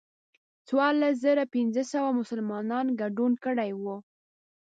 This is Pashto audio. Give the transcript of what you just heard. څوارلس زره پنځه سوه مسلمانانو ګډون کړی و.